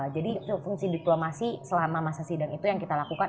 jadi fungsi diplomasi selama masa sidang itu yang kita lakukan